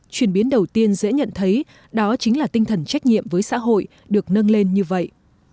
chuyển biến đầu tiên dễ nhận thấy đó chính là tinh thần trách nhiệm với xã hội được nâng lên như vậy